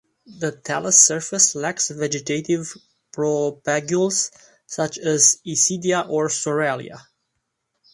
The thallus surface lacks vegetative propagules such as isidia or soralia.